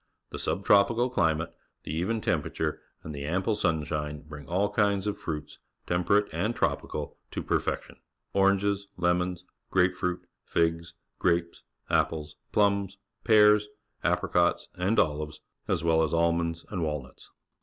The sub tropical chmate, the even temperature, and the ample sunshine bring all kinds of fruits, temperate and tropical, to perfection — orangesJ|ejiions, grapefruit, figs, grapes, apples, plums, pears, apxicois, and ohves, as well as almonds and walnuts.